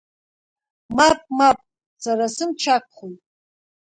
Мап, мап, сара сымч ақәхоит!